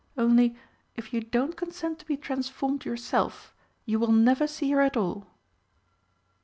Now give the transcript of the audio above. Only if you don't consent to be transformed yourself, you will never see her at all."